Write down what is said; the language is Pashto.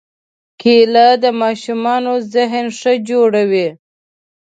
کېله د ماشومانو ذهن ښه جوړوي.